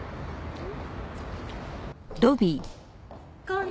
うん。